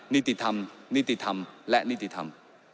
นิติธรรมนิติธรรมและนิติธรรม